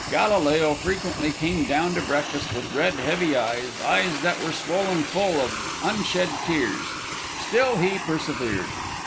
Galileo frequently came down to breakfast with red, heavy eyes, eyes that were swollen full of unshed tears. Still he persevered.